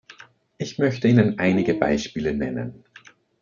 Ich möchte Ihnen einige Beispiele nennen.